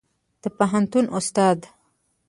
د پوهنتون استاد